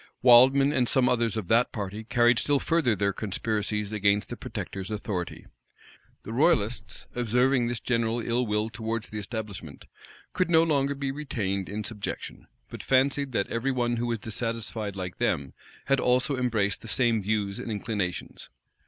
Wildman and some others of that party carried still further their conspiracies against the protector's authority. The royalists, observing this general ill will towards the establishment, could no longer be retained in subjection; but fancied that every one who was dissatisfied like them, had also embraced the same views and inclinations.